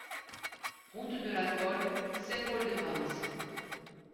Route de la Colle, Saint-Paul-de-Vence